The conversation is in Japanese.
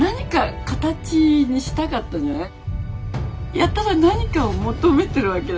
やたら何かを求めてるわけだから。